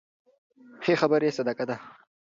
ښې خبرې صدقه ده.